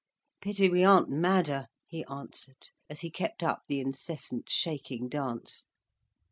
"Pity we aren't madder," he answered, as he kept up the incessant shaking dance.